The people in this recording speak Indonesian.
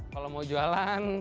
kalau mau jualan